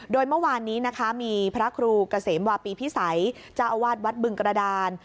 โดยเมื่อวานนี้นะคะมีพระครูเกษมวาปีพิสัยเจ้าอาวาสวัดบึงกระดาน